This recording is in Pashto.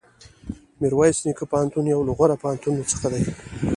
میرویس نیکه پوهنتون یو له غوره پوهنتونونو څخه دی.